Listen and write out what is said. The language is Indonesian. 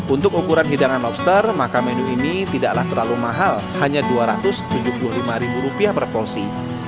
untuk ukuran hidangan lobster maka menu ini tidaklah terlalu mahal hanya rp dua ratus tujuh puluh lima per porsi